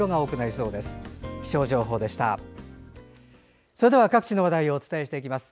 それでは各地の話題をお伝えします。